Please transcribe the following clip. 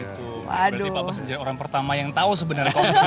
berarti pak bas menjadi orang pertama yang tahu sebenarnya